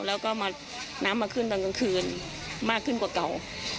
แล้วก็น้ำมาขึ้นตอนกลางคืนมากขึ้นกว่าเก่า